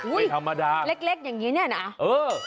อุ๊ยเล็กอย่างนี้เนี่ยนะไม่ธรรมดา